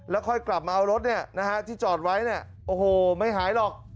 แล้วค่อยกลับมาเอารถที่จอดไว้เนี่ยโอ้โหไม่หายหรอก